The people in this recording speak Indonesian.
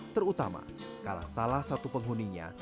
terutama kalau salah satu penghuninya